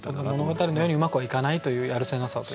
物語のようにはうまくはいかないというやるせなさというか。